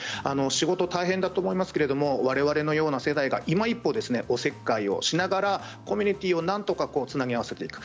仕事は大変だと思いますけれどもわれわれのような世代が今一歩おせっかいをしながらコミュニティーをなんとかつなぎ合わせていく。